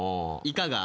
いかが！？